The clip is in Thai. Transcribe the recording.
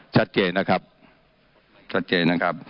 ชัดเจนนะครับชัดเจนนะครับ